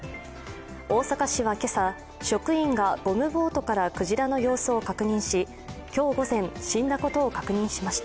大阪市は今朝、職員がゴムボートからクジラの様子を確認し今日午前、死んだことを確認しました。